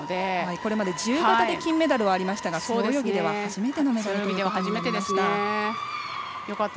これまで自由形で金メダルはありましたが背泳ぎでは初めてのメダルとなりました。